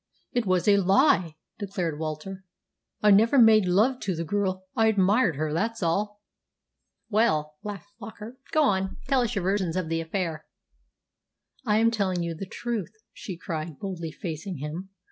"It was a lie!" declared Walter. "I never made love to the girl. I admired her, that's all." "Well," laughed Flockart, "go on. Tell us your version of the affair." "I am telling you the truth," she cried, boldly facing him.